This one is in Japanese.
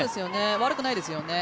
悪くないですよね。